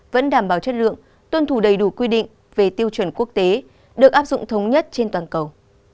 vẫn đảm bảo chất lượng tuân thủ đầy đủ quy định về tiêu chuẩn quốc tế được áp dụng thống nhất trên toàn cầu